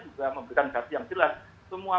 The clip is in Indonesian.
juga memberikan gaji yang jelas semua